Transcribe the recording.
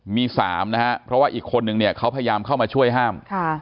มีสามนะครับเพราะว่าอีกคนนึงเขาพยายามเข้ามาช่วยห้าม